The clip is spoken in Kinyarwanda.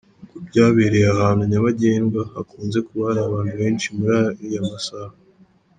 Ngo byabereye ahantu nyabagendwa hakunze kuba hari abantu benshi muri ariya masaha.